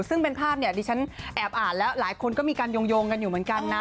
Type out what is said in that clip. ซึ่งเป็นภาพเนี่ยดิฉันแอบอ่านแล้วหลายคนก็มีการโยงกันอยู่เหมือนกันนะ